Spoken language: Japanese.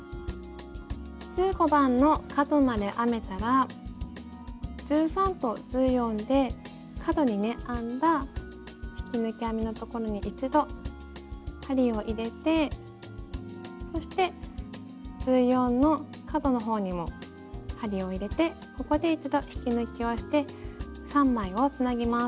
１５番の角まで編めたら１３と１４で角にね編んだ引き抜き編みのところに一度針を入れてそして１４の角のほうにも針を入れてここで一度引き抜きをして３枚をつなぎます。